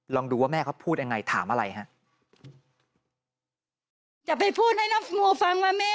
ลองดูว่าแม่เขาพูดยังไงถามอะไรฮะ